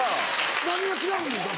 何が違うんですか？